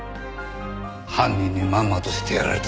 犯人にまんまとしてやられた。